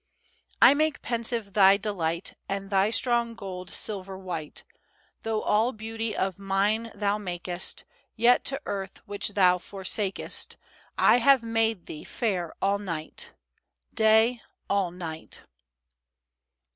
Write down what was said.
I make pensive thy delight, And thy strong gold silver white. Though all beauty of nine thou makest, Yet to earth which thou forsakest I have made thee fair all night, Day all night.